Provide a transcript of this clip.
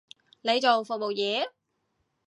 你做服務業？